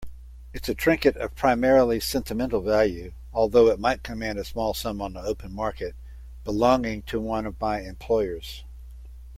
It's a trinket of primarily sentimental value, although it might command a small sum on the open market, belonging to one of my employers.